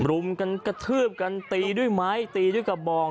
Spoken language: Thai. รุมกันกระทืบกันตีด้วยไม้ตีด้วยกระบอง